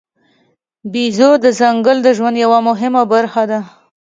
بیزو د ځنګل د ژوند یوه مهمه برخه ده.